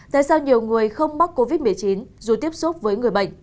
tại sao nhiều người không mắc covid một mươi chín dù tiếp xúc với người bệnh